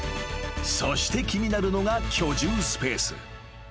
［そして気になるのが居住スペース］